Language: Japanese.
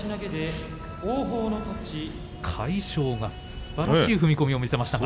魁勝がすばらしい踏み込みを見せましたが。